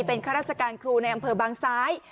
เป็นครัศกาลครูในอำเภอบังไซ